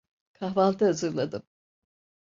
Kahvaltı hazırladım.